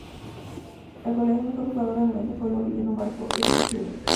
El goleador y mejor jugador del evento fue el boliviano Marco Etcheverry.